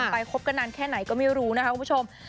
ไปคบกันนานแค่ไหนก็ไม่รู้นะคะคุณผู้ชม